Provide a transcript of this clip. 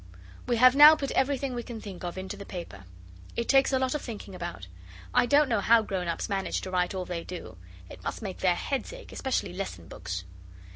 We have now put everything we can think of into the paper. It takes a lot of thinking about. I don't know how grown ups manage to write all they do. It must make their heads ache, especially lesson books.